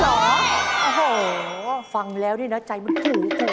โอ้โฮฟังแล้วนี่นะใจเมื่อกี้เจ๋งเก่ง